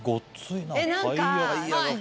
何か。